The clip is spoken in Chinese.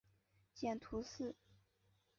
见图四。